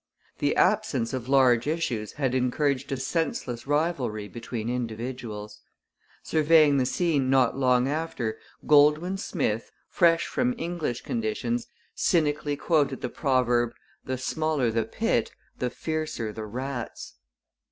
The absence of large issues had encouraged a senseless rivalry between individuals. Surveying the scene not long after, Goldwin Smith, fresh from English conditions, cynically quoted the proverb: 'the smaller the pit, the fiercer the rats.'